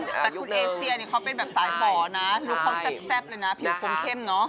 แต่คุณเอเซียเนี่ยเขาเป็นแบบสายบ่อนะลูกเขาแซ่บเลยนะผิวคมเข้มเนอะ